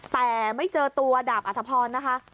แต่ไม่เจอตัวดาบอัธพรนะคะ